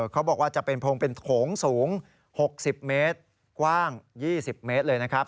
เขาบอกว่าจะเป็นโพงเป็นโถงสูง๖๐เมตรกว้าง๒๐เมตรเลยนะครับ